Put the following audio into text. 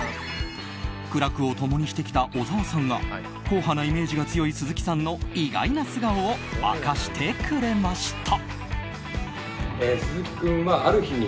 苦楽を共にしてきた小澤さんが硬派なイメージが強い鈴木さんの意外な素顔を明かしてくれました。